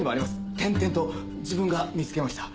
点々と自分が見つけました。